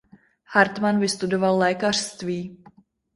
Hartmann vystudoval lékařství.